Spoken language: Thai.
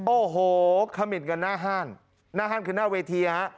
โอ้โหคามินกันน่าฮ่านน่าฮ่านคือหน้าเวทีนะฮะ